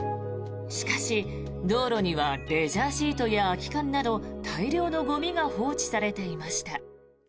しかし、道路にはレジャーシートや空き缶など大量のゴミが放置されていました。